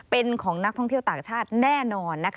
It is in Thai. เป็นของนักท่องเที่ยวต่างชาติแน่นอน